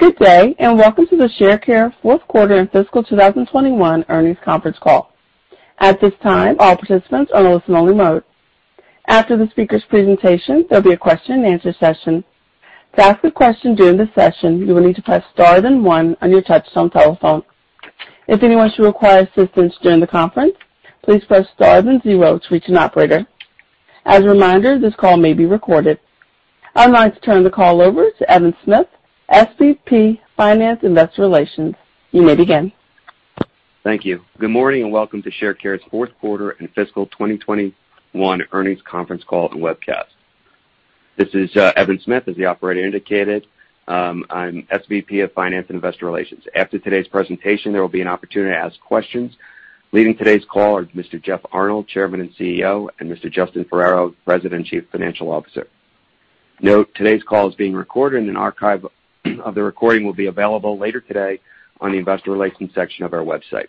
Good day, and welcome to the Sharecare Q4 and Fiscal 2021 Earnings Conference Call. At this time, all participants are in listen only mode. After the speaker's presentation, there'll be a question and answer session. To ask a question during the session, you will need to press star then one on your touchtone telephone. If anyone should require assistance during the conference, please press star then zero to reach an operator. As a reminder, this call may be recorded. I'd like to turn the call over to Evan Smith, SVP Finance Investor Relations. You may begin. Thank you. Good morning and welcome to Sharecare's Q4 and Fiscal 2021 Earnings Conference Call and Webcast. This is Evan Smith, as the operator indicated. I'm SVP of Finance and Investor Relations. After today's presentation, there will be an opportunity to ask questions. Leading today's call are Mr. Jeff Arnold, Chairman and CEO, and Mr. Justin Ferrero, President, Chief Financial Officer. Note, today's call is being recorded, and an archive of the recording will be available later today on the investor relations section of our website.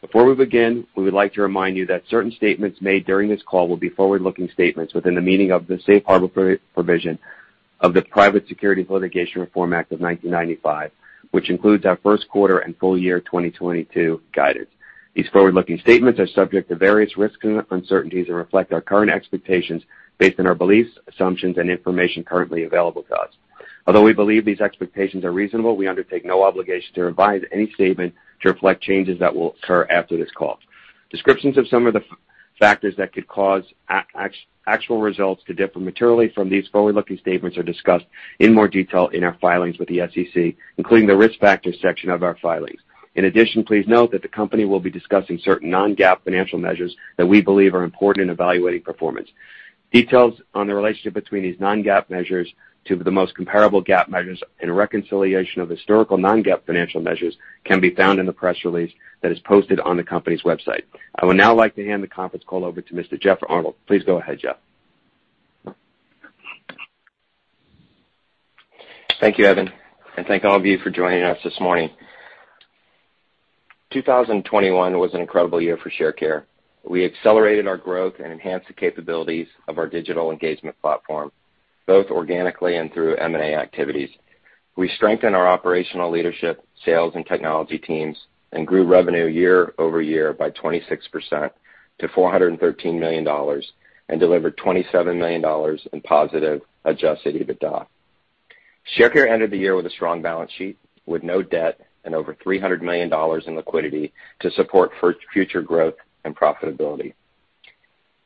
Before we begin, we would like to remind you that certain statements made during this call will be forward-looking statements within the meaning of the safe harbor provision of the Private Securities Litigation Reform Act of 1995, which includes our Q1 and full year 2022 guidance. These forward-looking statements are subject to various risks and uncertainties and reflect our current expectations based on our beliefs, assumptions, and information currently available to us. Although we believe these expectations are reasonable, we undertake no obligation to revise any statement to reflect changes that will occur after this call. Descriptions of some of the factors that could cause actual results to differ materially from these forward-looking statements are discussed in more detail in our filings with the SEC, including the Risk Factors section of our filings. In addition, please note that the company will be discussing certain non-GAAP financial measures that we believe are important in evaluating performance. Details on the relationship between these non-GAAP measures to the most comparable GAAP measures and reconciliation of historical non-GAAP financial measures can be found in the press release that is posted on the company's website. I would now like to hand the conference call over to Mr. Jeff Arnold. Please go ahead, Jeff. Thank you, Evan, and thank all of you for joining us this morning. 2021 was an incredible year for Sharecare. We accelerated our growth and enhanced the capabilities of our digital engagement platform, both organically and through M&A activities. We strengthened our operational leadership, sales and technology teams, and grew revenue year-over-year by 26% to $413 million, and delivered $27 million in positive adjusted EBITDA. Sharecare ended the year with a strong balance sheet with no debt and over $300 million in liquidity to support future growth and profitability.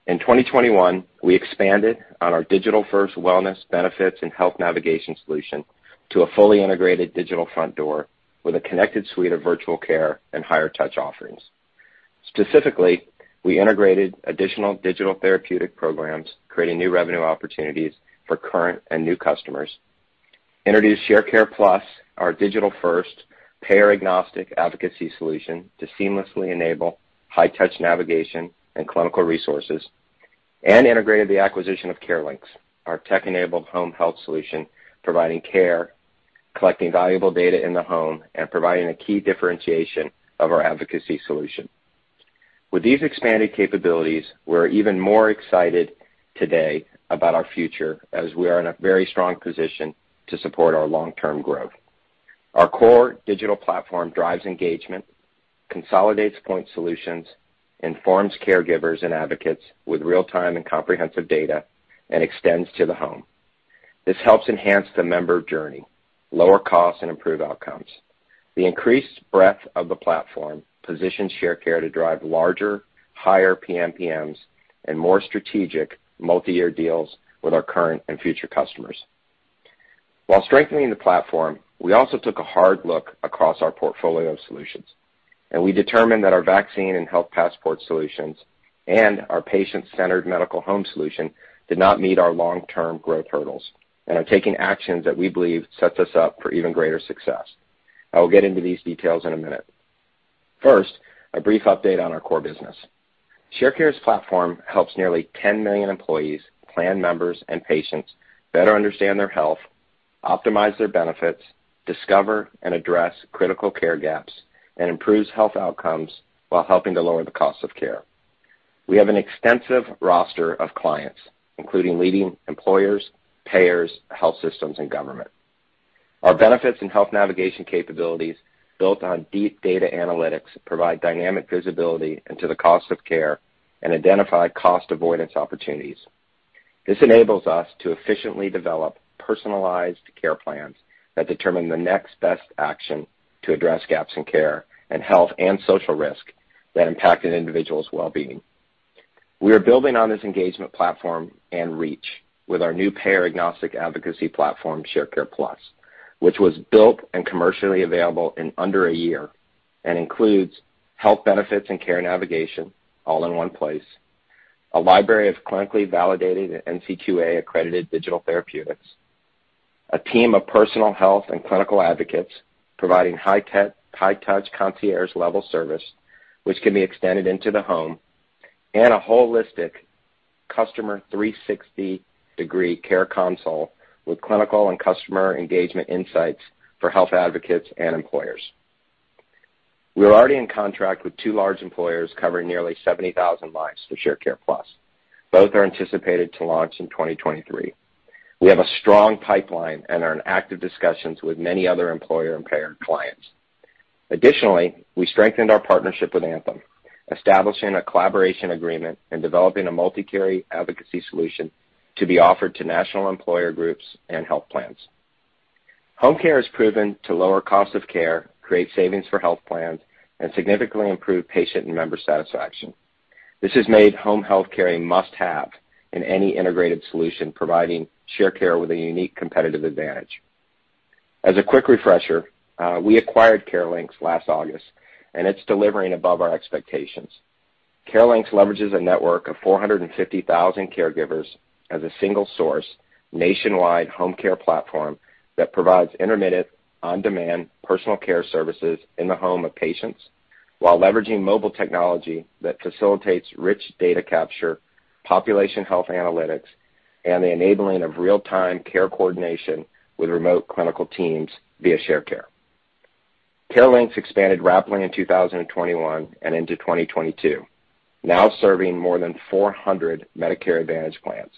In 2021, we expanded on our digital-first wellness benefits and health navigation solution to a fully integrated digital front door with a connected suite of virtual care and higher touch offerings. Specifically, we integrated additional digital therapeutic programs, creating new revenue opportunities for current and new customers. Introduced Sharecare+, our digital-first payer-agnostic advocacy solution to seamlessly enable high-touch navigation and clinical resources, and integrated the acquisition of CareLinx, our tech-enabled home health solution, providing care, collecting valuable data in the home, and providing a key differentiation of our advocacy solution. With these expanded capabilities, we're even more excited today about our future as we are in a very strong position to support our long-term growth. Our core digital platform drives engagement, consolidates point solutions, informs caregivers and advocates with real-time and comprehensive data, and extends to the home. This helps enhance the member journey, lower costs, and improve outcomes. The increased breadth of the platform positions Sharecare to drive larger, higher PMPMs and more strategic multi-year deals with our current and future customers. While strengthening the platform, we also took a hard look across our portfolio of solutions, and we determined that our vaccine and Health Passport solutions and our Patient-Centered Medical Home solution did not meet our long-term growth hurdles and are taking actions that we believe sets us up for even greater success. I will get into these details in a minute. First, a brief update on our core business. Sharecare's platform helps nearly 10 million employees, plan members, and patients better understand their health, optimize their benefits, discover and address critical care gaps, and improves health outcomes while helping to lower the cost of care. We have an extensive roster of clients, including leading employers, payers, health systems, and government. Our benefits and health navigation capabilities, built on deep data analytics, provide dynamic visibility into the cost of care and identify cost avoidance opportunities. This enables us to efficiently develop personalized care plans that determine the next best action to address gaps in care and health and social risk that impact an individual's well-being. We are building on this engagement platform and reach with our new payer-agnostic advocacy platform, Sharecare Plus, which was built and commercially available in under a year and includes health benefits and care navigation all in one place, a library of clinically validated NCQA-accredited digital therapeutics, a team of personal health and clinical advocates providing high-touch concierge-level service which can be extended into the home, and a holistic customer 360-degree care console with clinical and customer engagement insights for health advocates and employers. We are already in contract with two large employers covering nearly 70,000 lives for Sharecare Plus. Both are anticipated to launch in 2023. We have a strong pipeline and are in active discussions with many other employer and payer clients. Additionally, we strengthened our partnership with Anthem, establishing a collaboration agreement and developing a multi-care advocacy solution to be offered to national employer groups and health plans. Home care is proven to lower cost of care, create savings for health plans, and significantly improve patient and member satisfaction. This has made home health care a must-have in any integrated solution, providing Sharecare with a unique competitive advantage. As a quick refresher, we acquired CareLinx last August, and it's delivering above our expectations. CareLinx leverages a network of 450,000 caregivers as a single source nationwide home care platform that provides intermittent, on-demand personal care services in the home of patients while leveraging mobile technology that facilitates rich data capture, population health analytics, and the enabling of real-time care coordination with remote clinical teams via Sharecare. CareLinx expanded rapidly in 2021 and into 2022, now serving more than 400 Medicare Advantage plans,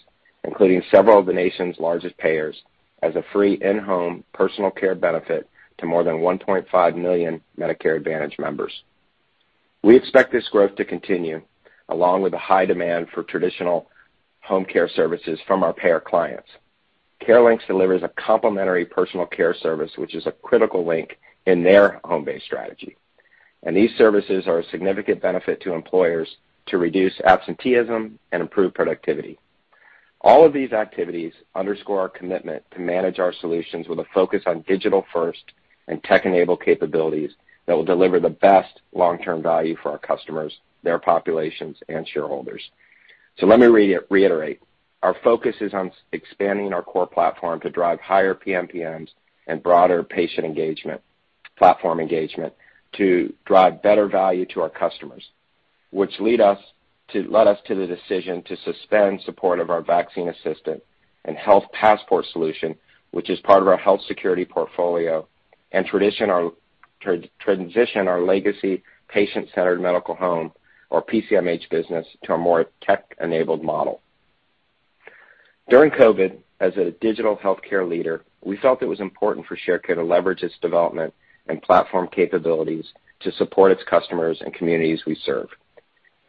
including several of the nation's largest payers, as a free in-home personal care benefit to more than 1.5 million Medicare Advantage members. We expect this growth to continue, along with the high demand for traditional home care services from our payer clients. CareLinx delivers a complementary personal care service, which is a critical link in their home-based strategy. These services are a significant benefit to employers to reduce absenteeism and improve productivity. All of these activities underscore our commitment to manage our solutions with a focus on digital-first and tech-enabled capabilities that will deliver the best long-term value for our customers, their populations, and shareholders. Let me reiterate. Our focus is on expanding our core platform to drive higher PMPMs and broader patient engagement, platform engagement to drive better value to our customers, which led us to the decision to suspend support of our vaccine assistant and Health Passport solution, which is part of our Health Security portfolio, and transition our legacy patient-centered medical home, or PCMH business, to a more tech-enabled model. During COVID-19, as a digital healthcare leader, we felt it was important for Sharecare to leverage its development and platform capabilities to support its customers and communities we serve.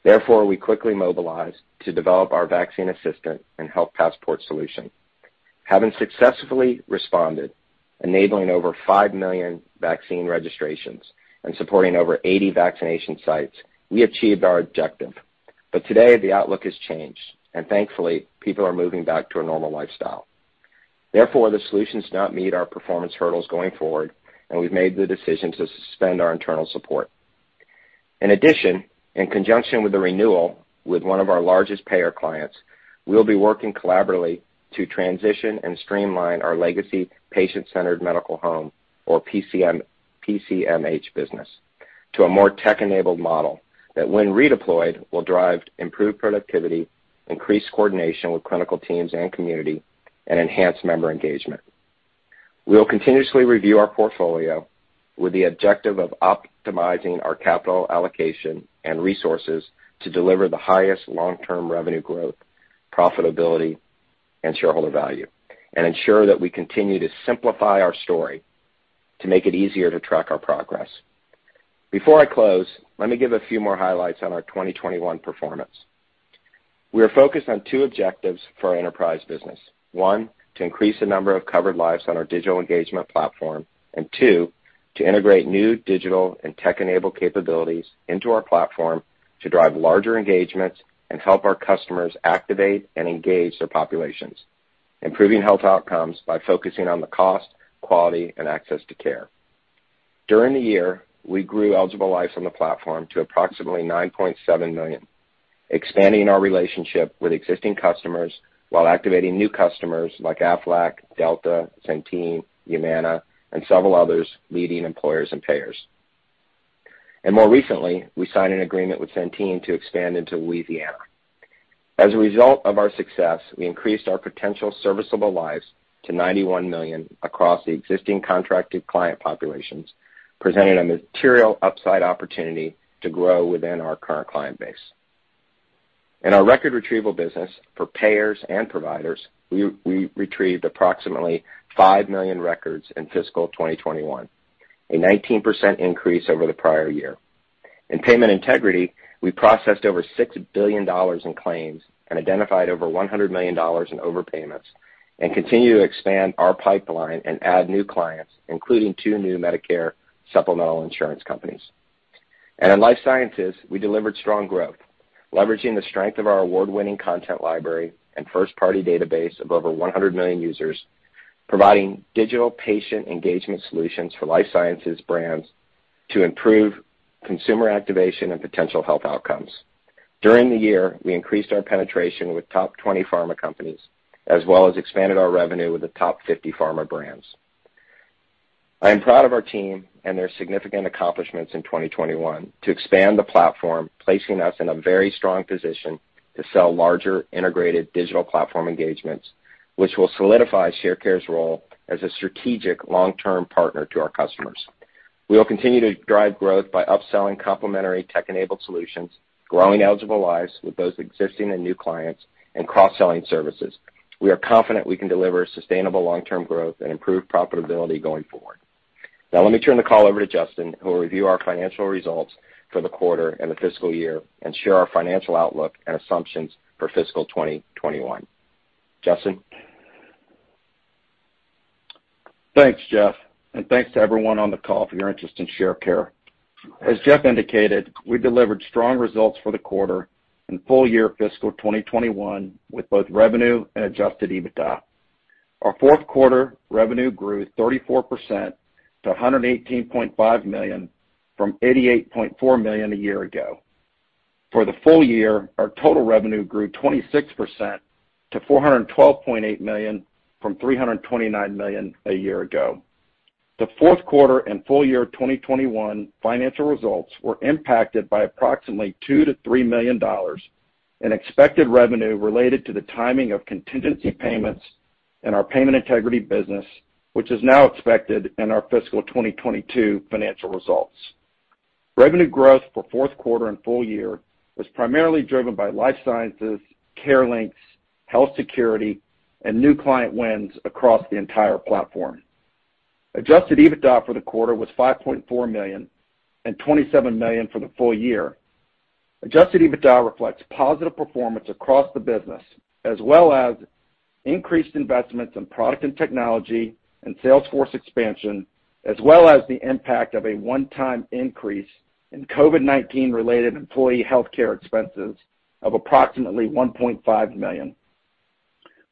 Therefore, we quickly mobilized to develop our vaccine assistant and Health Passport solution. Having successfully responded, enabling over 5 million vaccine registrations and supporting over 80 vaccination sites, we achieved our objective. Today, the outlook has changed, and thankfully, people are moving back to a normal lifestyle. Therefore, the solutions do not meet our performance hurdles going forward, and we've made the decision to suspend our internal support. In addition, in conjunction with the renewal with one of our largest payer clients, we'll be working collaboratively to transition and streamline our legacy patient-centered medical home, or PCMH business, to a more tech-enabled model that when redeployed, will drive improved productivity, increased coordination with clinical teams and community, and enhance member engagement. We'll continuously review our portfolio with the objective of optimizing our capital allocation and resources to deliver the highest long-term revenue growth, profitability, and shareholder value, and ensure that we continue to simplify our story to make it easier to track our progress. Before I close, let me give a few more highlights on our 2021 performance. We are focused on two objectives for our enterprise business. One, to increase the number of covered lives on our digital engagement platform. Two, to integrate new digital and tech-enabled capabilities into our platform to drive larger engagements and help our customers activate and engage their populations, improving health outcomes by focusing on the cost, quality, and access to care. During the year, we grew eligible lives on the platform to approximately 9.7 million, expanding our relationship with existing customers while activating new customers like Aflac, Delta, Centene, Humana, and several others, leading employers and payers. More recently, we signed an agreement with Centene to expand into Louisiana. As a result of our success, we increased our potential serviceable lives to 91 million across the existing contracted client populations, presenting a material upside opportunity to grow within our current client base. In our record retrieval business for payers and providers, we retrieved approximately 5 million records in fiscal 2021, a 19% increase over the prior year. In payment integrity, we processed over $6 billion in claims and identified over $100 million in overpayments and continue to expand our pipeline and add new clients, including two new Medicare supplemental insurance companies. In life sciences, we delivered strong growth, leveraging the strength of our award-winning content library and first-party database of over 100 million users, providing digital patient engagement solutions for life sciences brands to improve consumer activation and potential health outcomes. During the year, we increased our penetration with top 20 pharma companies, as well as expanded our revenue with the top 50 pharma brands. I am proud of our team and their significant accomplishments in 2021 to expand the platform, placing us in a very strong position to sell larger integrated digital platform engagements, which will solidify Sharecare's role as a strategic long-term partner to our customers. We will continue to drive growth by upselling complementary tech-enabled solutions, growing eligible lives with both existing and new clients, and cross-selling services. We are confident we can deliver sustainable long-term growth and improved profitability going forward. Now let me turn the call over to Justin, who will review our financial results for the quarter and the fiscal year and share our financial outlook and assumptions for fiscal 2021. Justin? Thanks, Jeff, and thanks to everyone on the call for your interest in Sharecare. As Jeff indicated, we delivered strong results for the quarter and full year fiscal 2021 with both revenue and adjusted EBITDA. Our Q4 revenue grew 34% to $118.5 million, from $88.4 million a year ago. For the full year, our total revenue grew 26% to $412.8 million, from $329 million a year ago. TheQ4 and full year 2021 financial results were impacted by approximately $2 million-$3 million in expected revenue related to the timing of contingency payments in our payment integrity business, which is now expected in our fiscal 2022 financial results. Revenue growth for Q4 and full year was primarily driven by Life Sciences, CareLinx, Health Security, and new client wins across the entire platform. Adjusted EBITDA for the quarter was $5.4 million and $27 million for the full year. Adjusted EBITDA reflects positive performance across the business, as well as increased investments in product and technology and salesforce expansion, as well as the impact of a one-time increase in COVID-19 related employee health care expenses of approximately $1.5 million.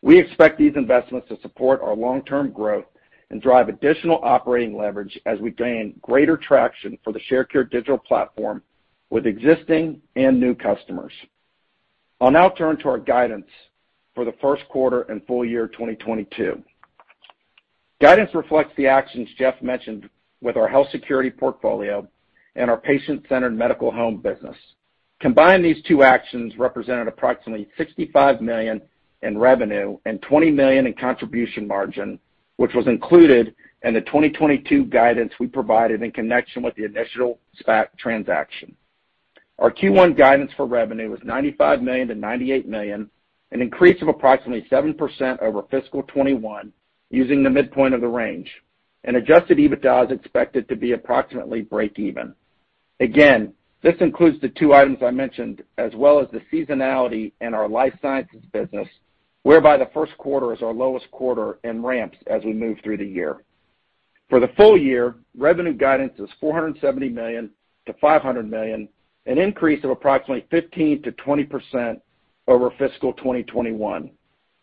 We expect these investments to support our long-term growth and drive additional operating leverage as we gain greater traction for the Sharecare digital platform with existing and new customers. I'll now turn to our guidance for the Q1 and full year 2022. Guidance reflects the actions Jeff mentioned with our Health Security portfolio and our patient-centered medical home business. Combined, these two actions represented approximately $65 million in revenue and $20 million in contribution margin, which was included in the 2022 guidance we provided in connection with the initial SPAC transaction. Our Q1 guidance for revenue was $95 million-$98 million, an increase of approximately 7% over fiscal 2021 using the midpoint of the range, and adjusted EBITDA is expected to be approximately breakeven. Again, this includes the two items I mentioned, as well as the seasonality in our Life Sciences business, whereby the Q1 is our lowest quarter and ramps as we move through the year. For the full year, revenue guidance is $470 million-$500 million, an increase of approximately 15%-20% over fiscal 2021,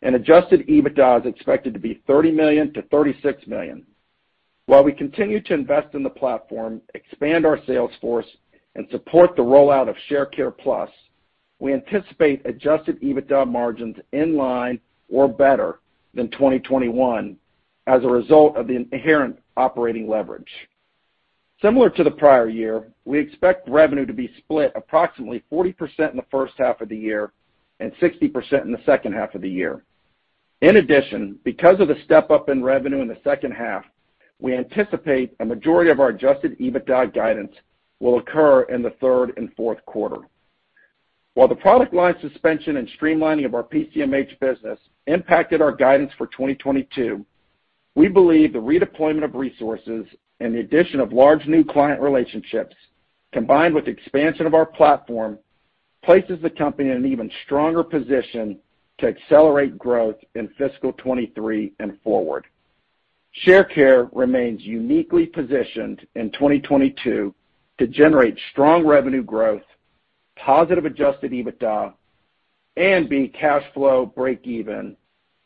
and adjusted EBITDA is expected to be $30 million-$36 million. While we continue to invest in the platform, expand our sales force, and support the rollout of Sharecare+, we anticipate adjusted EBITDA margins in line or better than 2021 as a result of the inherent operating leverage. Similar to the prior year, we expect revenue to be split approximately 40% in the H1 of the year and 60% in the H2 of the year. In addition, because of the step-up in revenue in the H2, we anticipate a majority of our adjusted EBITDA guidance will occur in the third and Q4. While the product line suspension and streamlining of our PCMH business impacted our guidance for 2022, we believe the redeployment of resources and the addition of large new client relationships, combined with expansion of our platform, places the company in an even stronger position to accelerate growth in fiscal 2023 and forward. Sharecare remains uniquely positioned in 2022 to generate strong revenue growth, positive adjusted EBITDA, and be cash flow breakeven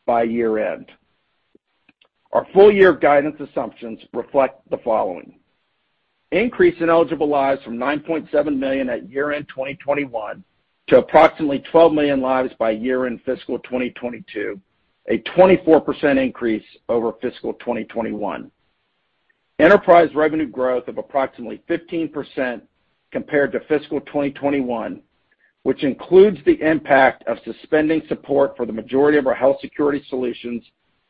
by year-end. Our full year guidance assumptions reflect the following. Increase in eligible lives from 9.7 million at year-end 2021 to approximately 12 million lives by year-end fiscal 2022, a 24% increase over fiscal 2021. Enterprise revenue growth of approximately 15% compared to fiscal 2021, which includes the impact of suspending support for the majority of our Health Security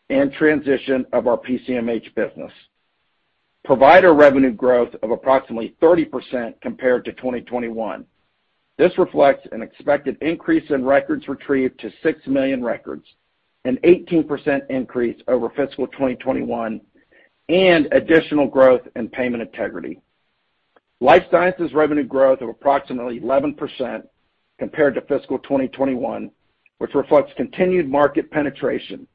and transition of our PCMH business. Provider revenue growth of approximately 30% compared to 2021. This reflects an expected increase in records retrieved to 6 million records, an 18% increase over fiscal 2021, and additional growth in payment integrity. Life Sciences revenue growth of approximately 11% compared to fiscal 2021, which reflects continued market penetration.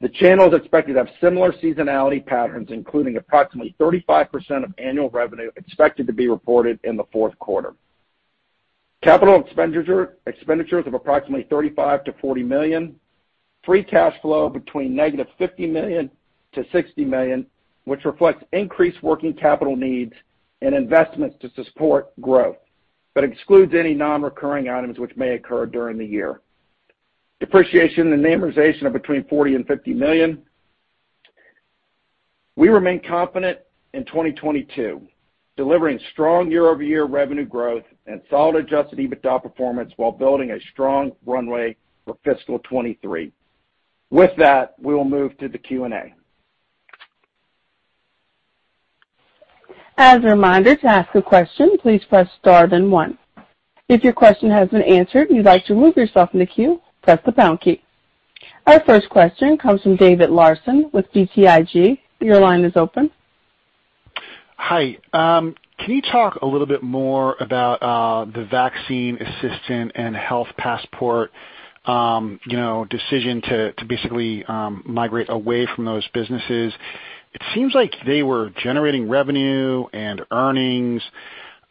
The channel is expected to have similar seasonality patterns, including approximately 35% of annual revenue expected to be reported in the Q4. Capital expenditures of approximately $35-$40 million. Free cash flow between -$50 million to $60 million, which reflects increased working capital needs and investments to support growth, but excludes any non-recurring items which may occur during the year. Depreciation and amortization of between $40-$50 million. We remain confident in 2022, delivering strong year-over-year revenue growth and solid adjusted EBITDA performance while building a strong runway for fiscal 2023. With that, we will move to the Q&A. As a reminder, to ask a question, please press star then one. If your question has been answered and you'd like to remove yourself from the queue, press the pound key. Our first question comes from David Larsen with BTIG. Your line is open. Hi. Can you talk a little bit more about the Vaccine Assistant and Health Passport decision to basically migrate away from those businesses? It seems like they were generating revenue and earnings,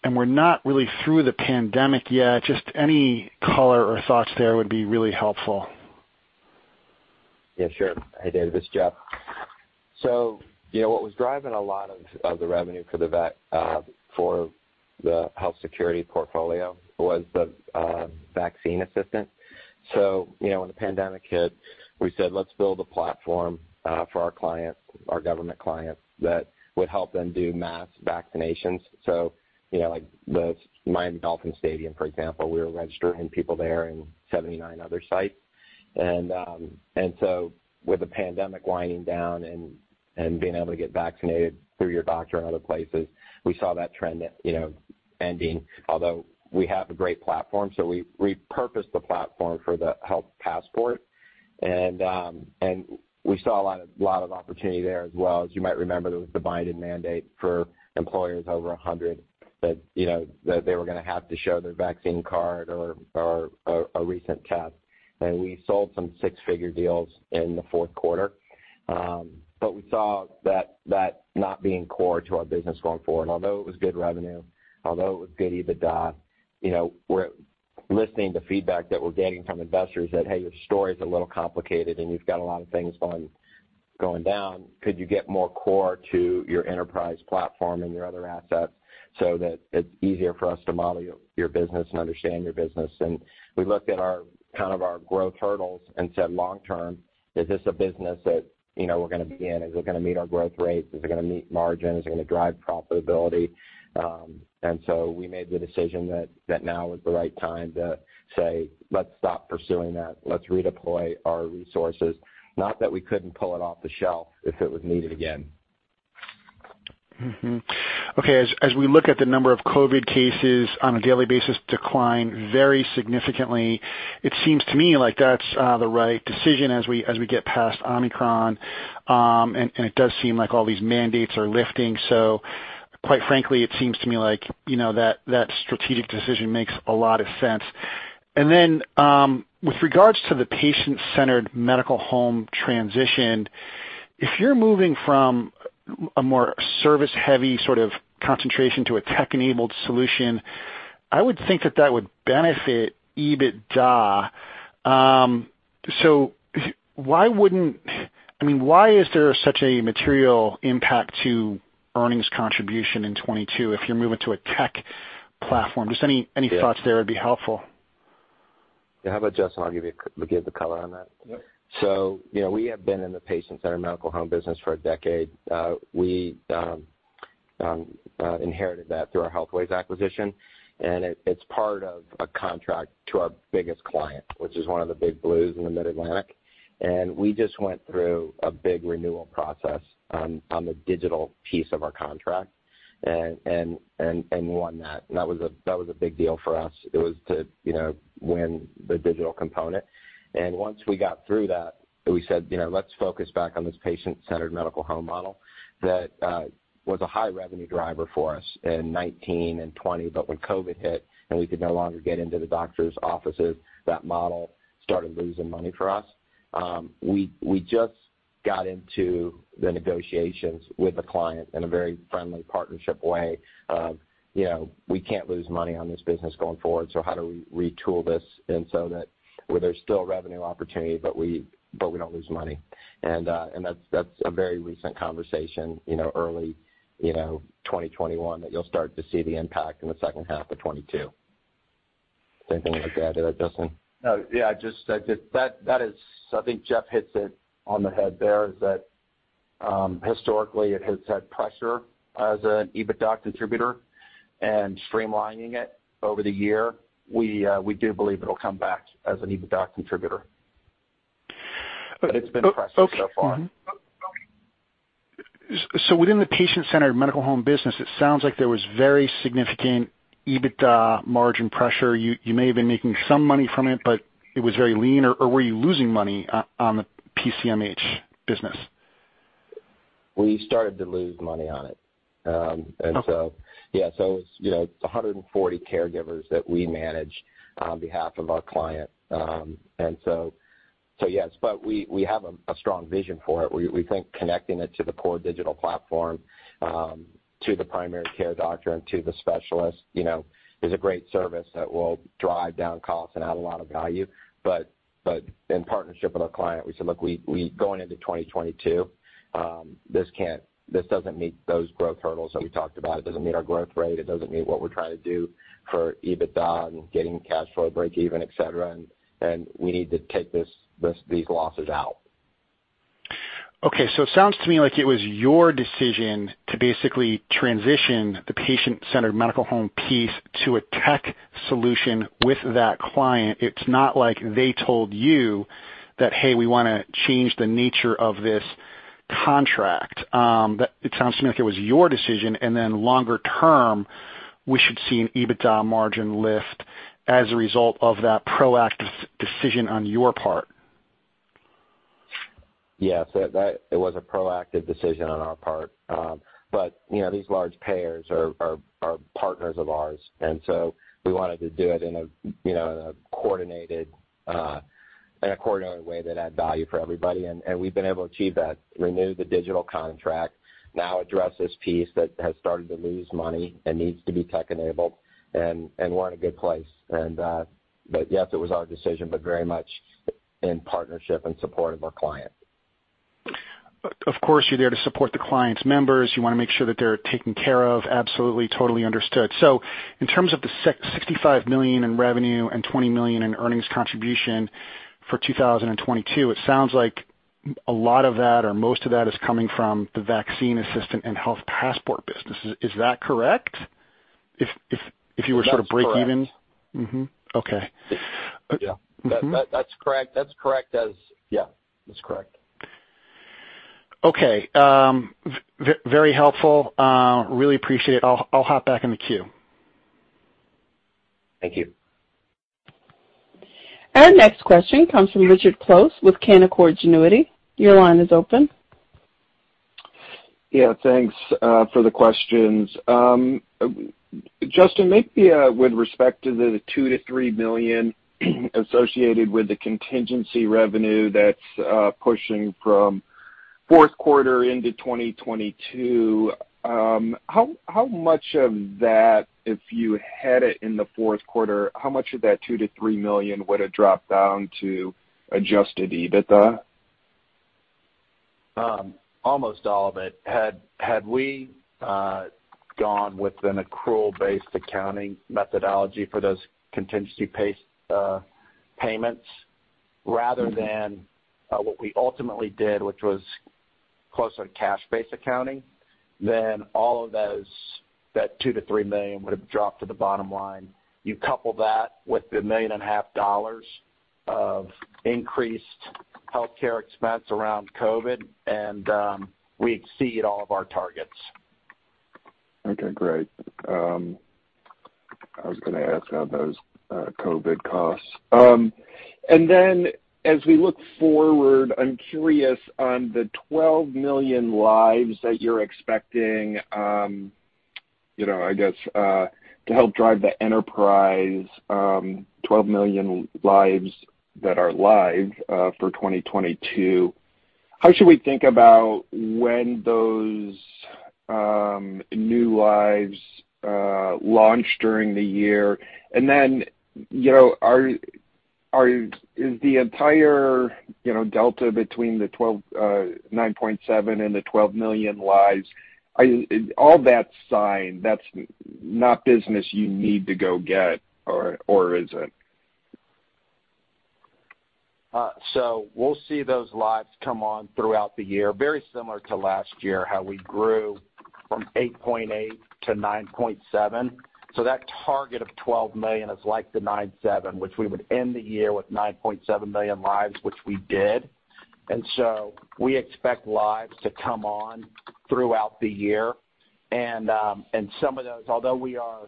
and we're not really through the pandemic yet. Just any color or thoughts there would be really helpful. Yeah, sure. Hey, David, it's Jeff. You know, what was driving a lot of the revenue for the Health Security portfolio was the vaccine assistant. You know, when the pandemic hit, we said, "Let's build a platform for our clients, our government clients, that would help them do mass vaccinations." You know, like the Miami Dolphin Stadium, for example, we were registering people there and 79 other sites. With the pandemic winding down and being able to get vaccinated through your doctor and other places, we saw that trend, you know, ending, although we have a great platform. We repurposed the platform for the Health Passport. We saw a lot of opportunity there as well. As you might remember, there was the Biden mandate for employers over 100 that, you know, that they were gonna have to show their vaccine card or a recent test. We sold some six-figure deals in the Q4. But we saw that not being core to our business going forward. Although it was good revenue, it was good EBITDA, you know, we're listening to feedback that we're getting from investors that, "Hey, your story's a little complicated, and you've got a lot of things going down. Could you get more core to your enterprise platform and your other assets so that it's easier for us to model your business and understand your business?" We looked at our, kind of our growth hurdles and said, long term, is this a business that, you know, we're gonna be in? Is it gonna meet our growth rates? Is it gonna meet margins? Is it gonna drive profitability? We made the decision that now is the right time to say, "Let's stop pursuing that. Let's redeploy our resources." Not that we couldn't pull it off the shelf if it was needed again. As we look at the number of COVID cases on a daily basis decline very significantly, it seems to me like that's the right decision as we get past Omicron. It does seem like all these mandates are lifting. Quite frankly, it seems to me like, you know, that strategic decision makes a lot of sense. With regards to the patient-centered medical home transition, if you're moving from a more service-heavy sort of concentration to a tech-enabled solution, I would think that would benefit EBITDA. Why wouldn't I mean, why is there such a material impact to earnings contribution in 2022 if you're moving to a tech platform? Just any thoughts there would be helpful. Yeah. How about Justin, I'll give you the color on that? Yeah. You know, we have been in the patient-centered medical home business for a decade. We inherited that through our Healthways acquisition, and it's part of a contract to our biggest client, which is one of the big blues in the Mid-Atlantic. We just went through a big renewal process on the digital piece of our contract and won that. That was a big deal for us. It was to, you know, win the digital component. Once we got through that, we said, you know, "Let's focus back on this patient-centered medical home model that was a high revenue driver for us in 2019 and 2020." When COVID hit, and we could no longer get into the doctor's offices, that model started losing money for us. We just got into the negotiations with the client in a very friendly partnership way of, you know, we can't lose money on this business going forward, so how do we retool this and so that where there's still revenue opportunity, but we don't lose money. That's a very recent conversation, you know, early 2021, that you'll start to see the impact in the H2 of 2022. Same thing to add there, Justin? No. Yeah, just that. I think Jeff hits it on the head. That is, historically it has had pressure as an EBITDA contributor, and streamlining it over the year, we do believe it'll come back as an EBITDA contributor. It's been pressed so far. Within the patient-centered medical home business, it sounds like there was very significant EBITDA margin pressure. You may have been making some money from it, but it was very lean. Or were you losing money on the PCMH business? We started to lose money on it. Okay. Yeah. It's, you know, it's 140 caregivers that we manage on behalf of our client. Yes, but we have a strong vision for it. We think connecting it to the core digital platform to the primary care doctor and to the specialist, you know, is a great service that will drive down costs and add a lot of value. But in partnership with our client, we said, "Look, we going into 2022, this doesn't meet those growth hurdles that we talked about. It doesn't meet our growth rate. It doesn't meet what we're trying to do for EBITDA and getting cash flow breakeven, etc. We need to take these losses out. Okay. It sounds to me like it was your decision to basically transition the patient-centered medical home piece to a tech solution with that client. It's not like they told you that, "Hey, we wanna change the nature of this contract." It sounds to me like it was your decision, and then longer term, we should see an EBITDA margin lift as a result of that proactive decision on your part. Yes, it was a proactive decision on our part. You know, these large payers are partners of ours, and so we wanted to do it in a coordinated way that add value for everybody. We've been able to achieve that, renew the digital contract, now address this piece that has started to lose money and needs to be tech-enabled, and we're in a good place. Yes, it was our decision, but very much in partnership and support of our client. Of course, you're there to support the client's members. You wanna make sure that they're taken care of. Absolutely, totally understood. In terms of the $665 million in revenue and $20 million in earnings contribution for 2022, it sounds like a lot of that or most of that is coming from the vaccine assistant and Health Passport business. Is that correct? If you were sort of breakevens. That's correct. Okay. Yeah. Mm-hmm. That's correct. Yeah, that's correct. Okay. Very helpful. Really appreciate it. I'll hop back in the queue. Thank you. Our next question comes from Richard Close with Canaccord Genuity. Your line is open. Yeah. Thanks for the questions. Justin, maybe with respect to the $2 million-$3 million associated with the contingency revenue that's pushing from Q4 into 2022, how much of that, if you had it in the Q4, how much of that $2 million-$3 million would have dropped down to adjusted EBITDA? Almost all of it. Had we gone with an accrual-based accounting methodology for those contingency-based payments rather than what we ultimately did, which was closer to cash-based accounting, then all of those, that $2 million-$3 million would have dropped to the bottom line. You couple that with the $1.5 million of increased healthcare expense around COVID, and we exceed all of our targets. Okay, great. I was gonna ask how those COVID costs. As we look forward, I'm curious on the 12 million lives that you're expecting, you know, I guess, to help drive the enterprise, 12 million lives that are live, for 2022. How should we think about when those new lives launch during the year? You know, is the entire, you know, delta between the 12, 9.7 and the 12 million lives, is all that signed? That's not business you need to go get or is it? We'll see those lives come on throughout the year, very similar to last year, how we grew from 8.8 to 9.7. That target of 12 million is like the 9.7, which we would end the year with 9.7 million lives, which we did. We expect lives to come on throughout the year. Some of those, although we are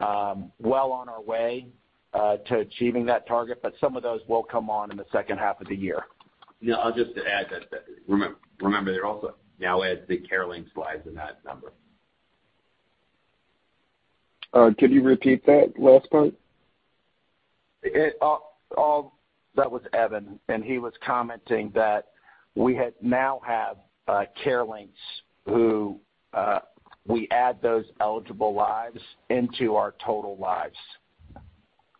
well on our way to achieving that target, but some of those will come on in the H2 of the year. Yeah, I'll just add that remember they're also now adds the CareLinx lives in that number. Could you repeat that last part? That was Evan, and he was commenting that we now have CareLinx, which we add those eligible lives into our total lives.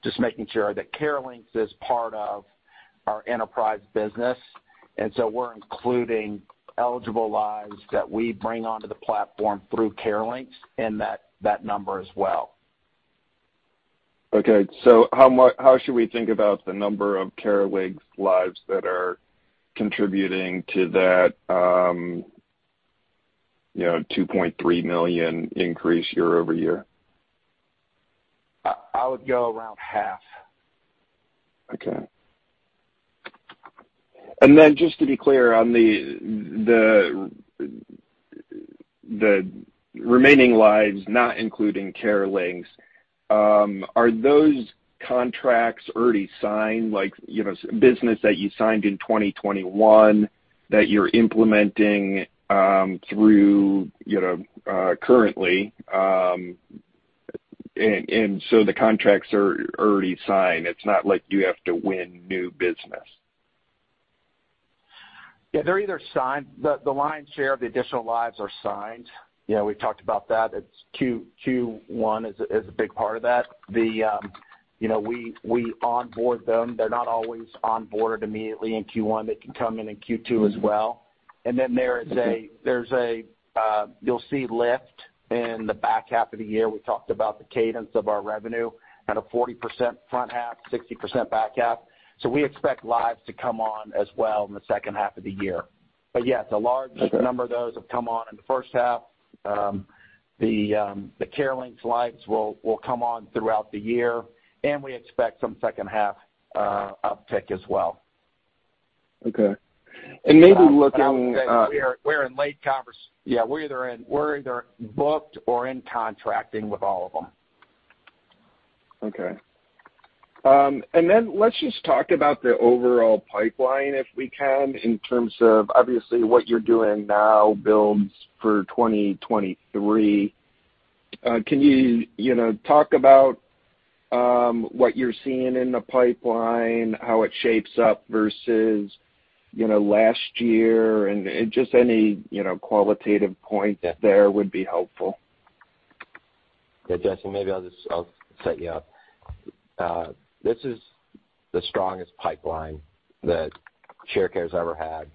Just making sure that CareLinx is part of our enterprise business, and so we're including eligible lives that we bring onto the platform through CareLinx in that number as well. How should we think about the number of CareLinx lives that are contributing to that, you know, 2.3 million increase year-over-year? I would go around half. Okay. Just to be clear on the remaining lives not including CareLinx, are those contracts already signed, like, you know, business that you signed in 2021 that you're implementing through, you know, currently, and so the contracts are already signed. It's not like you have to win new business. Yeah, they're already signed. The lion's share of the additional lives are signed. You know, we've talked about that. It's Q1 is a big part of that. You know, we onboard them. They're not always onboarded immediately in Q1. They can come in in Q2 as well. You'll see lift in the back half of the year. We talked about the cadence of our revenue at a 40% front half, 60% back half. We expect lives to come on as well in the H2 of the year. Yes, a large number of those have come on in the H1. The CareLinx lives will come on throughout the year, and we expect some H2 uptick as well. Okay. Maybe looking We're either booked or in contracting with all of them. Okay. Let's just talk about the overall pipeline, if we can, in terms of obviously what you're doing now builds for 2023. Can you know, talk about what you're seeing in the pipeline, how it shapes up versus, you know, last year? Just any, you know, qualitative point there would be helpful. Yeah, Justin, maybe I'll just set you up. This is the strongest pipeline that Sharecare has ever had,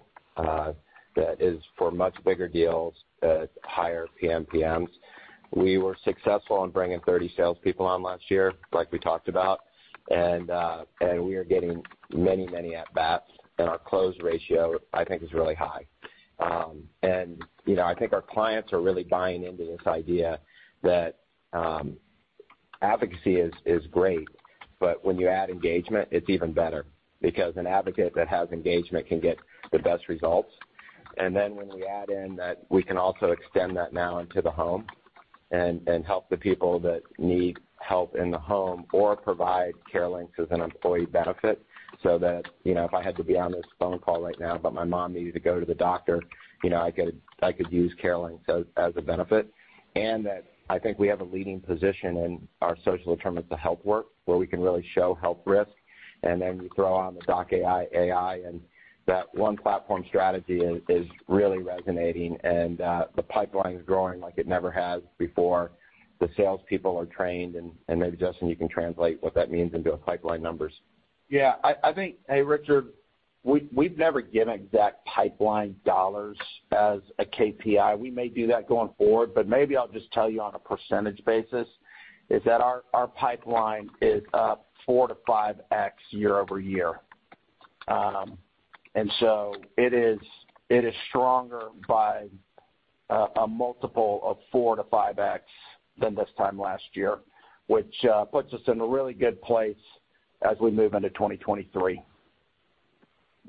that is for much bigger deals at higher PMPMs. We were successful in bringing 30 salespeople on last year, like we talked about. We are getting many, many at bats, and our close ratio, I think, is really high. You know, I think our clients are really buying into this idea that advocacy is great, but when you add engagement, it's even better because an advocate that has engagement can get the best results. When we add in that we can also extend that now into the home and help the people that need help in the home or provide CareLinx as an employee benefit so that, you know, if I had to be on this phone call right now, but my mom needed to go to the doctor, you know, I could use CareLinx as a benefit. That I think we have a leading position in our social determinants of health work, where we can really show health risk. You throw on the doc.ai, and that one platform strategy is really resonating. The pipeline is growing like it never has before. The salespeople are trained, and maybe, Justin, you can translate what that means into pipeline numbers. Hey, Richard, we've never given exact pipeline dollars as a KPI. We may do that going forward, but maybe I'll just tell you on a percentage basis, that our pipeline is up 4-5x year-over-year. It is stronger by a multiple of 4-5x than this time last year, which puts us in a really good place as we move into 2023.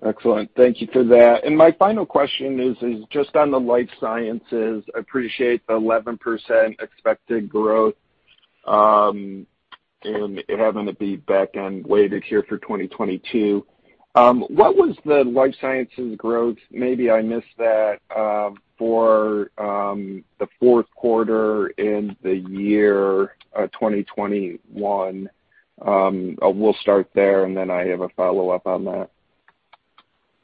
Excellent. Thank you for that. My final question is just on the life sciences. I appreciate the 11% expected growth, and having it be back-end weighted here for 2022. What was the life sciences growth? Maybe I missed that, for the Q4 in the year, 2021. We'll start there, and then I have a follow-up on that.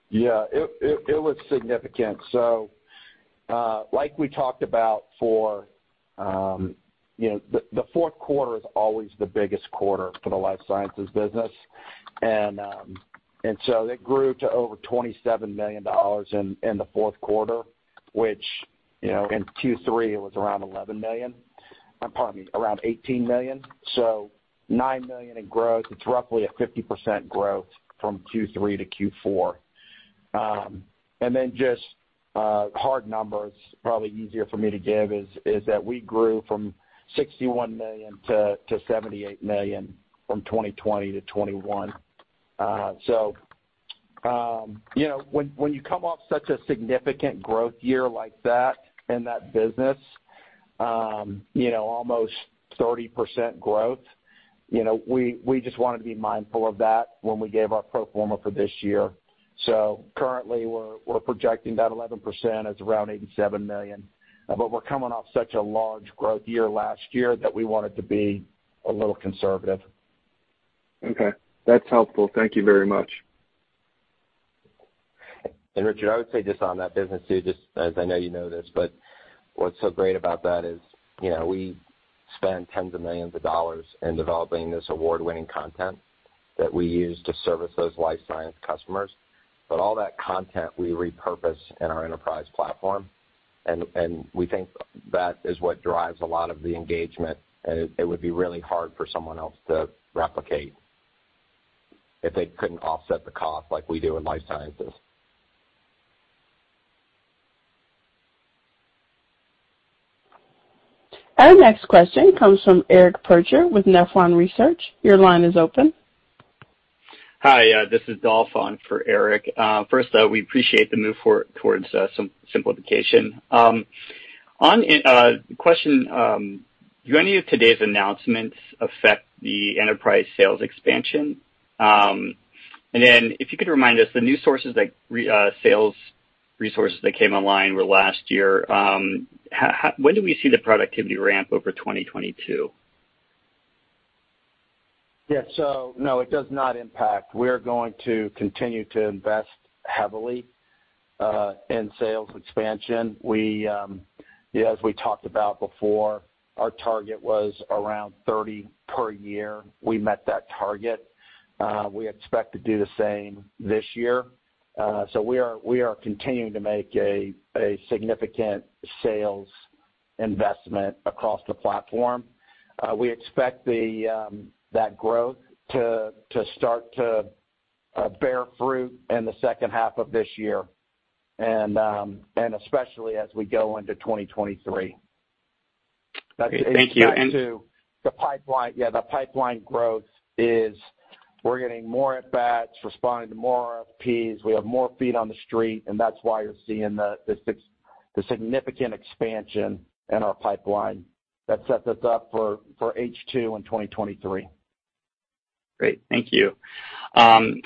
Yeah, it was significant. Like we talked about, the Q4 is always the biggest quarter for the life sciences business. It grew to over $27 million in the Q4, which, you know, in Q3 it was around $11 million. Pardon me, around $18 million. $9 million in growth. It was roughly 50% growth from Q3 to Q4. Hard numbers probably easier for me to give is that we grew from $61 million to $78 million from 2020 to 2021. you know, when you come off such a significant growth year like that in that business, you know, almost 30% growth, you know, we just wanted to be mindful of that when we gave our pro forma for this year. Currently, we're projecting that 11% as around $87 million. We're coming off such a large growth year last year that we wanted to be a little conservative. Okay. That's helpful. Thank you very much. Richard, I would say just on that business too, just as I know you know this, but what's so great about that is, you know, we spend $ tens of millions in developing this award-winning content that we use to service those life science customers. All that content we repurpose in our enterprise platform, and we think that is what drives a lot of the engagement. It would be really hard for someone else to replicate if they couldn't offset the cost like we do in life sciences. Our next question comes from Eric Percher with Nephron Research. Your line is open. Hi, this is Dolph on for Eric. First, we appreciate the move towards simplification. One question, do any of today's announcements affect the enterprise sales expansion? If you could remind us, the new sales resources that came online last year, when do we see the productivity ramp over 2022? Yeah. No, it does not impact. We're going to continue to invest heavily in sales expansion. We, as we talked about before, our target was around 30 per year. We met that target. We expect to do the same this year. We are continuing to make a significant sales investment across the platform. We expect that growth to start to bear fruit in the H2 of this year, and especially as we go into 2023. Okay. Thank you. It's back to the pipeline. Yeah, the pipeline growth is we're getting more at bats, responding to more RFPs. We have more feet on the street, and that's why you're seeing the significant expansion in our pipeline that sets us up for H2 in 2023. Great. Thank you. Within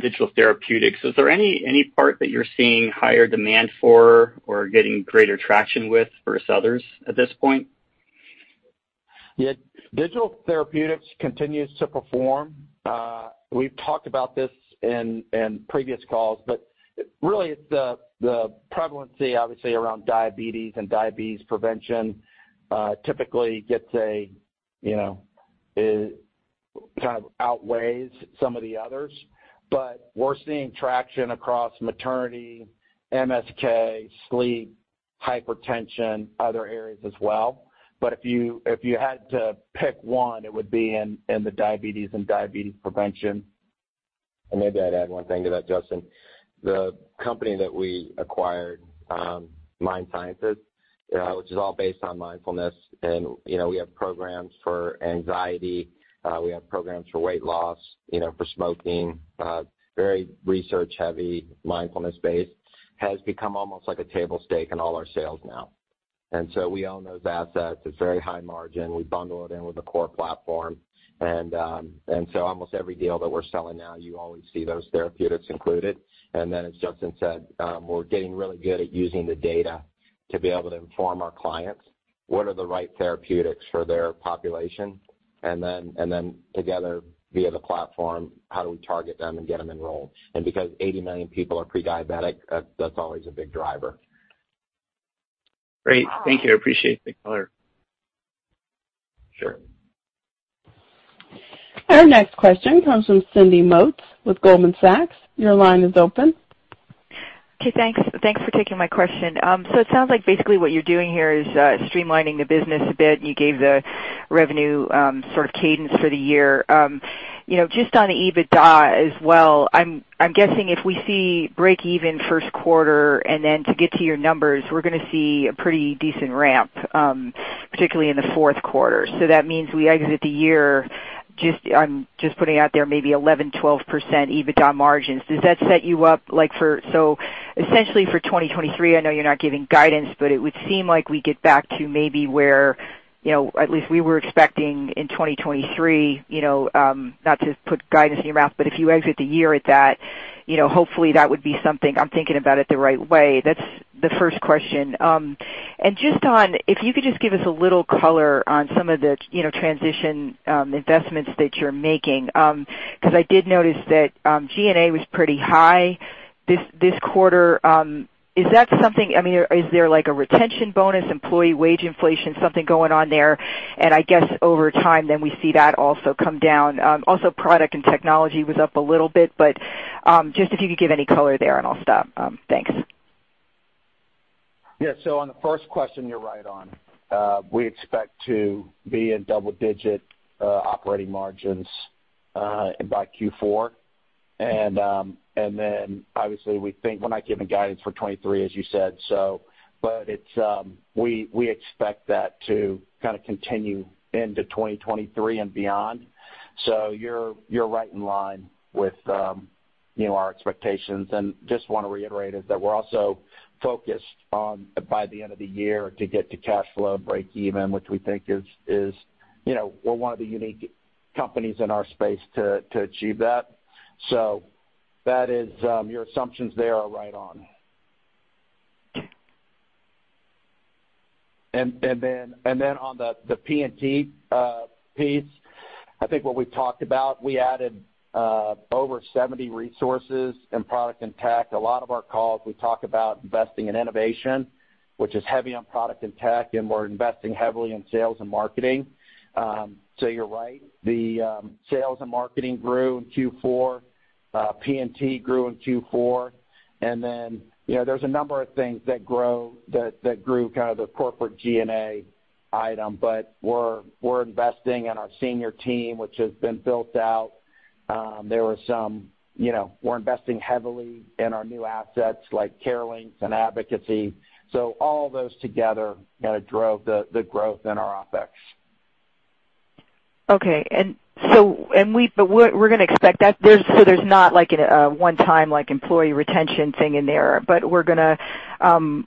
digital therapeutics, is there any part that you're seeing higher demand for or getting greater traction with versus others at this point? Yeah. Digital therapeutics continues to perform. We've talked about this in previous calls, but really it's the prevalence obviously around diabetes and diabetes prevention, typically, you know, kind of outweighs some of the others. We're seeing traction across maternity, MSK, sleep, hypertension, other areas as well. If you had to pick one, it would be in the diabetes and diabetes prevention. Maybe I'd add one thing to that, Justin. The company that we acquired, MindSciences, which is all based on mindfulness, and, you know, we have programs for anxiety, we have programs for weight loss, you know, for smoking, very research-heavy, mindfulness-based, has become almost like a table stake in all our sales now. We own those assets. It's very high margin. We bundle it in with the core platform. Almost every deal that we're selling now, you always see those therapeutics included. As Justin said, we're getting really good at using the data to be able to inform our clients what are the right therapeutics for their population, and then together, via the platform, how do we target them and get them enrolled? Because 80 million people are pre-diabetic, that's always a big driver. Great. Thank you. I appreciate the color. Sure. Our next question comes from Cindy Motz with Goldman Sachs. Your line is open. Okay, thanks. Thanks for taking my question. It sounds like basically what you're doing here is streamlining the business a bit, and you gave the revenue sort of cadence for the year. You know, just on the EBITDA as well, I'm guessing if we see breakeven Q1, and then to get to your numbers, we're gonna see a pretty decent ramp, particularly in the Q4. That means we exit the year just, I'm just putting out there, maybe 11%-12% EBITDA margins. Does that set you up like for... Essentially for 2023, I know you're not giving guidance, but it would seem like we get back to maybe where, you know, at least we were expecting in 2023, you know, not to put words in your mouth, but if you exit the year at that, you know, hopefully that would be something. I'm thinking about it the right way. That's the first question. Just on if you could just give us a little color on some of the, you know, transition investments that you're making. 'Cause I did notice that G&A was pretty high this quarter. Is that something. I mean, is there like a retention bonus, employee wage inflation, something going on there? I guess over time then we see that also come down. Also product and technology was up a little bit, but just if you could give any color there, and I'll stop. Thanks. Yeah. On the first question, you're right on. We expect to be in double-digit operating margins by Q4. Obviously we think we're not giving guidance for 2023, as you said. We expect that to kind of continue into 2023 and beyond. You're right in line with, you know, our expectations. Just wanna reiterate is that we're also focused on, by the end of the year, to get to cash flow break even, which we think is, you know, we're one of the unique companies in our space to achieve that. That is, your assumptions there are right on. And then on the P&T piece, I think what we've talked about, we added over 70 resources in product and tech. A lot of our calls, we talk about investing in innovation, which is heavy on product and tech, and we're investing heavily in sales and marketing. You're right. The sales and marketing grew in Q4. P&T grew in Q4. You know, there's a number of things that grew kind of the corporate G&A item. We're investing in our senior team, which has been built out. There were some, you know, we're investing heavily in our new assets like CareLinx and Sharecare+. All those together kinda drove the growth in our OpEx. Okay. We're gonna expect that there's not like a one-time employee retention thing in there, but we're gonna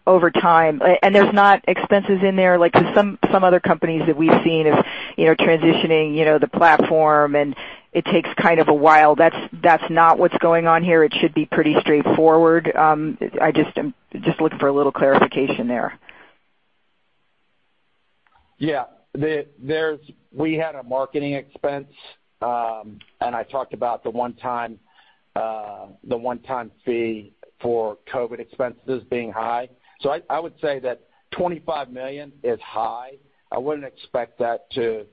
over time. There's not expenses in there like some other companies that we've seen is, you know, transitioning, you know, the platform, and it takes kind of a while. That's not what's going on here. It should be pretty straightforward. I'm just looking for a little clarification there. Yeah. We had a marketing expense, and I talked about the one-time fee for COVID expenses being high. I would say that $25 million is high. I wouldn't expect that to,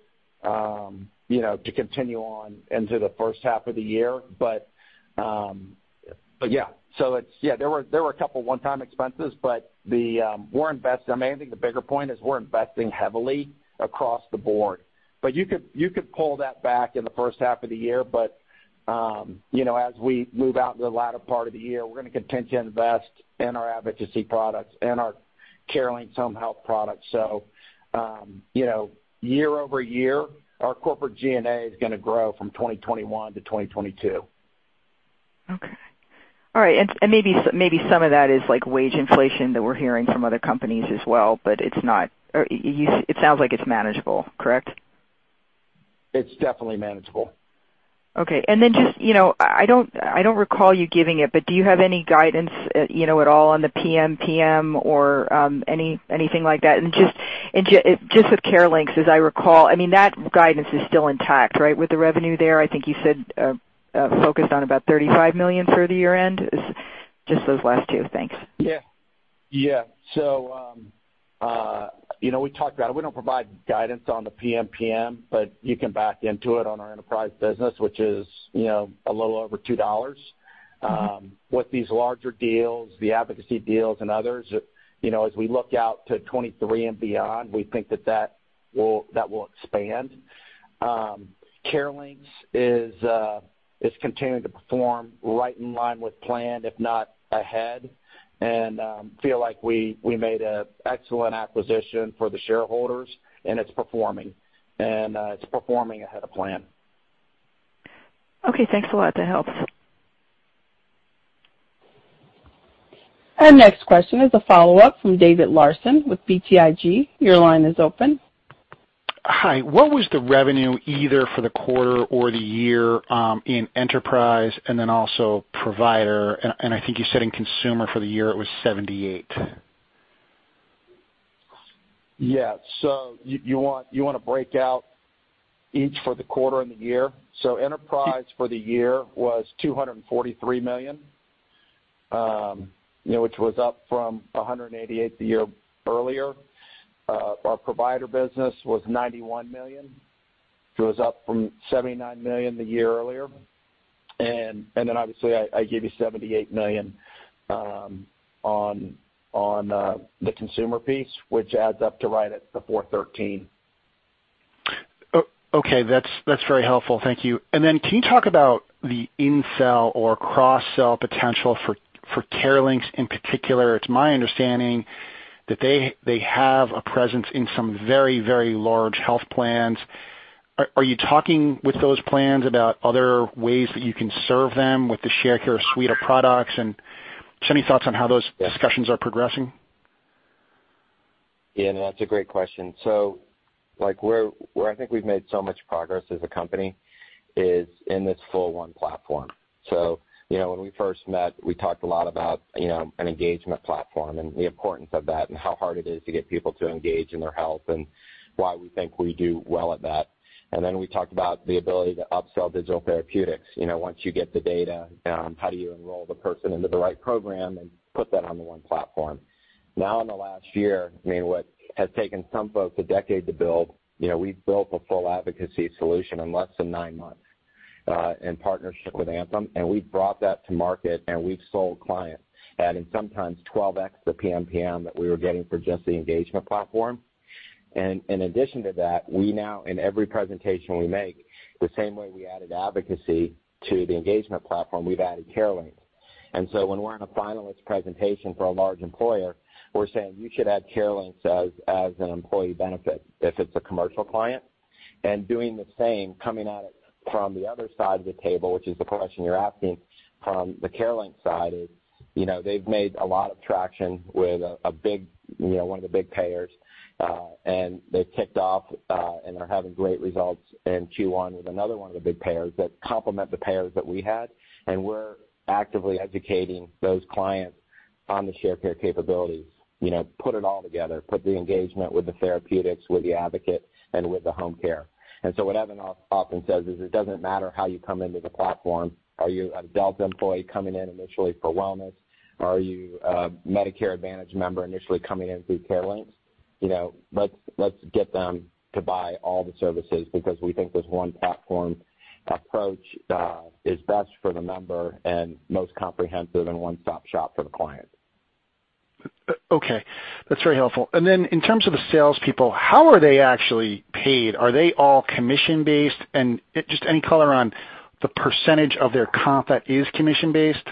you know, continue on into the H1 of the year. But yeah. There were a couple one-time expenses, but I mean, I think the bigger point is we're investing heavily across the board. You could pull that back in the H1 of the year, but you know, as we move out into the latter part of the year, we're gonna continue to invest in our advocacy products and our CareLinx home health products. You know, year-over-year, our corporate G&A is gonna grow from 2021 to 2022. Okay. All right. Maybe some of that is like wage inflation that we're hearing from other companies as well, but it's not. It sounds like it's manageable, correct? It's definitely manageable. Okay. Just, you know, I don't recall you giving it, but do you have any guidance, you know, at all on the PMPM or anything like that? Just with CareLinx, as I recall, I mean, that guidance is still intact, right? With the revenue there, I think you said focused on about $35 million for the year-end. It's just those last two. Thanks. You know, we talked about it. We don't provide guidance on the PMPM, but you can back into it on our enterprise business, which is a little over $2. With these larger deals, the advocacy deals and others, as we look out to 2023 and beyond, we think that that will expand. CareLinx is continuing to perform right in line with plan, if not ahead. We feel like we made an excellent acquisition for the shareholders, and it's performing. It's performing ahead of plan. Okay, thanks a lot. That helps. Our next question is a follow-up from David Larsen with BTIG. Your line is open. Hi. What was the revenue either for the quarter or the year in Enterprise and then also Provider? I think you said in Consumer for the year it was $78. Yeah. You want a breakout each for the quarter and the year? Yeah. Enterprise for the year was $243 million, which was up from $188 million the year earlier. Our provider business was $91 million, which was up from $79 million the year earlier. Then obviously I gave you $78 million on the consumer piece, which adds up to right at the $413 million. Okay. That's very helpful. Thank you. Can you talk about the in-sell or cross-sell potential for CareLinx in particular? It's my understanding that they have a presence in some very large health plans. Are you talking with those plans about other ways that you can serve them with the Sharecare suite of products? Just any thoughts on how those discussions are progressing? Yeah, no, that's a great question. Like, where I think we've made so much progress as a company is in this full one platform. You know, when we first met, we talked a lot about, you know, an engagement platform and the importance of that and how hard it is to get people to engage in their health and why we think we do well at that. We talked about the ability to upsell digital therapeutics. You know, once you get the data, how do you enroll the person into the right program and put that on the one platform? Now in the last year, I mean, what has taken some folks a decade to build, you know, we've built a full advocacy solution in less than 9 months in partnership with Anthem, and we've brought that to market, and we've sold clients adding sometimes 12x the PMPM that we were getting for just the engagement platform. In addition to that, we now, in every presentation we make, the same way we added advocacy to the engagement platform, we've added CareLinx. When we're in a finalist presentation for a large employer, we're saying you should add CareLinx as an employee benefit if it's a commercial client. Doing the same coming at it from the other side of the table, which is the question you're asking from the CareLinx side is, you know, they've made a lot of traction with a big, you know, one of the big payers, and they've kicked off and they're having great results in Q1 with another one of the big payers that complement the payers that we had, and we're actively educating those clients on the Sharecare capabilities. You know, put it all together, put the engagement with the therapeutics, with the advocate, and with the home care. What Evan often says is it doesn't matter how you come into the platform. Are you a Delta employee coming in initially for wellness? Are you a Medicare Advantage member initially coming in through CareLinx? You know, let's get them to buy all the services because we think this one platform approach is best for the member and most comprehensive and one-stop shop for the client. Okay. That's very helpful. Then in terms of the salespeople, how are they actually paid? Are they all commission-based? Just any color on the percentage of their comp that is commission-based?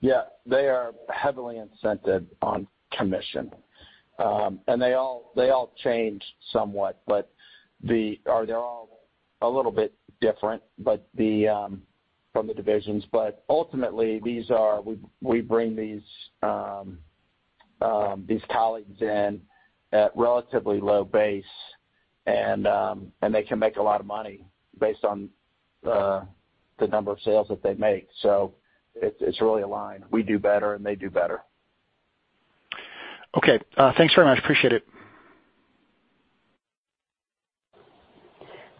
Yeah. They are heavily incented on commission. They all change somewhat, but they're all a little bit different, but they're from the divisions. Ultimately, we bring these colleagues in at relatively low base and they can make a lot of money based on the number of sales that they make. It's really aligned. We do better, and they do better. Okay. Thanks very much. Appreciate it.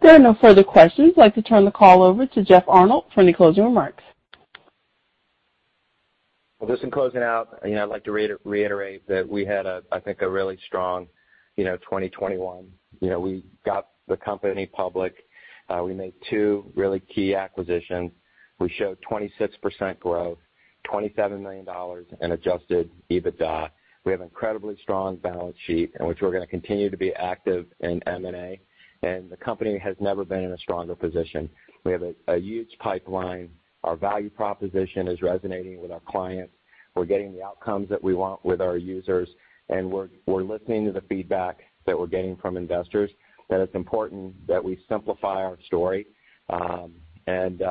There are no further questions. I'd like to turn the call over to Jeff Arnold for any closing remarks. Well, just in closing out, you know, I'd like to reiterate that we had a, I think, a really strong, you know, 2021. You know, we got the company public. We made two really key acquisitions. We showed 26% growth, $27 million in adjusted EBITDA. We have incredibly strong balance sheet in which we're gonna continue to be active in M&A, and the company has never been in a stronger position. We have a huge pipeline. Our value proposition is resonating with our clients. We're getting the outcomes that we want with our users, and we're listening to the feedback that we're getting from investors, that it's important that we simplify our story. And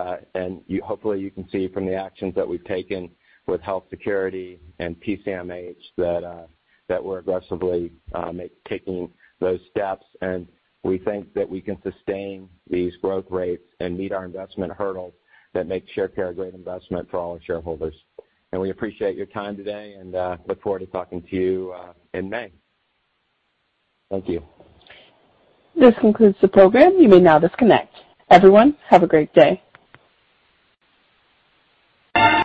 hopefully you can see from the actions that we've taken with Health Security and PCMH that we're aggressively taking those steps. We think that we can sustain these growth rates and meet our investment hurdles that make Sharecare a great investment for all our shareholders. We appreciate your time today and look forward to talking to you in May. Thank you. This concludes the program. You may now disconnect. Everyone, have a great day.